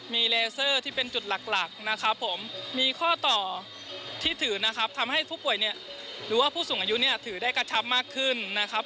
มีเลเซอร์ที่เป็นจุดหลักมีข้อต่อที่ถือทำให้ผู้สูงอายุถือได้กระชับมากขึ้น